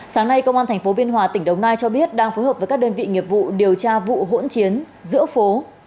sáng nay công an tp biên hòa tỉnh đồng nai cho biết đang phối hợp với các đơn vị nghiệp vụ điều tra vụ hỗn chiến giữa phố